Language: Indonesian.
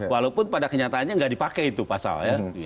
walaupun pada kenyataannya enggak dipakai itu pasal